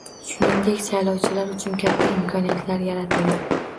Shuningdek, saylovchilar uchun katta imkoniyatlar yaratildi.